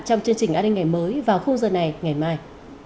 trong chương trình an ninh ngày mới vào khung giờ này ngày mai